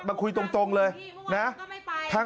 มาคุยตรงเลยนะ